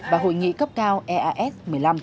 và hội nghị cấp cao eas một mươi năm